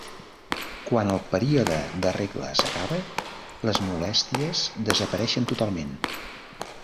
Quan el període de regla s’acaba les molèsties desapareixen totalment.